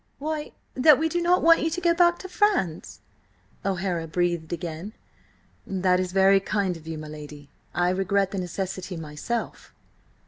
"Why, that we do not want you to go back to France." O'Hara breathed again. "That is very kind of you, my lady. I regret the necessity myself."